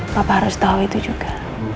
bapak harus tahu itu juga